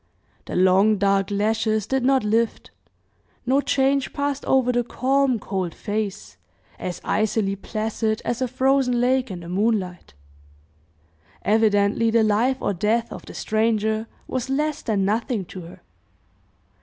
The long, dark lashes did not lift; no change passed over the calm, cold face, as icily placid as a frozen lake in the moonlight evidently the life or death of the stranger was less than nothing to her.